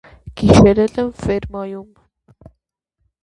Գիշերել են ֆերմայում։